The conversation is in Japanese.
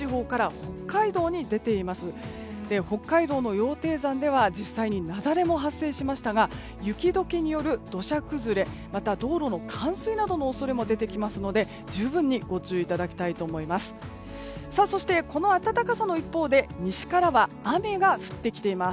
北海道の羊蹄山では実際に雪崩も発生しましたが雪解けによる土砂崩れまた道路の冠水などの恐れも出てきますので、十分にご注意いただきたいと思います。